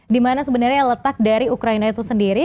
di mana sebenarnya letak dari ukraina itu sendiri